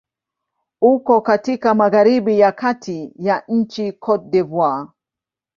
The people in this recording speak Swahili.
Uko katika magharibi ya kati ya nchi Cote d'Ivoire.